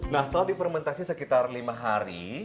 nah setelah difermentasi sekitar lima hari